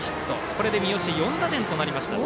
これで三好４打点となりました。